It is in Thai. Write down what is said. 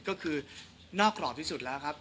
ก็คือนอกกรอบที่สุดแล้วครับ